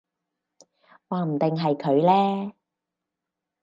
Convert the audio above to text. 話唔定係佢呢